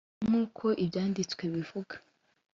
ni nk uko ibyanditswe bivuga